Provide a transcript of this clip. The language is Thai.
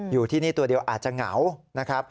อยู่ที่นี่ตัวเดียวอาจจะเหงานะครับ